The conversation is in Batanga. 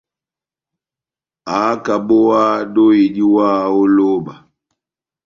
ákabówáhá dóhi diwáha ó lóba